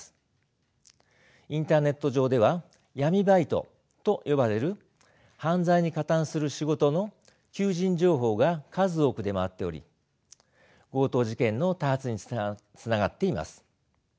インターネット上では闇バイトと呼ばれる犯罪に加担する仕事の求人情報が数多く出回っており強盗事件の多発につながっています。